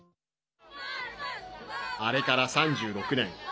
あれから３６年。